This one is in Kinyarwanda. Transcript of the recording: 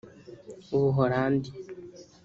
u Buhorandi